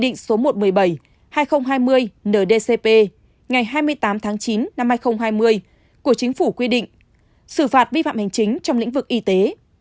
nđcp ngày hai mươi tám tháng chín năm hai nghìn hai mươi của chính phủ quy định xử phạt vi phạm hành chính trong lĩnh vực y tế